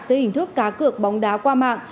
sẽ hình thức cá cược bóng đá qua mạng